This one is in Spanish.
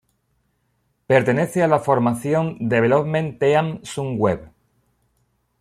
Pertenece a la formación Development Team Sunweb.